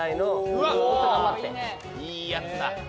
いいやつだ。